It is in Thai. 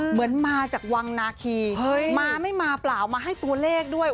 เหมือนมาจากวังนาคีมาไม่มาเปล่ามาให้ตัวเลขด้วย